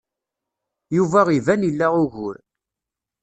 Yuba iban ila ugur.